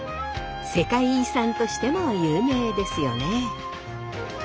世界遺産としても有名ですよね。